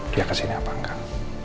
dia kesini apa enggak